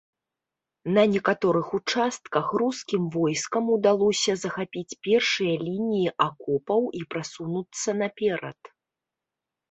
На некаторых участках рускім войскам удалося захапіць першыя лініі акопаў і прасунуцца наперад.